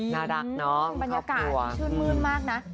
หน้าดักน้องครอบครัวอืมอืมบรรยากาศชื่นมืดมากนะ